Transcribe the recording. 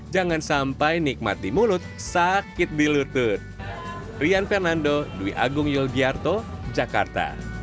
jangan sampai nikmat di mulut sakit di lutut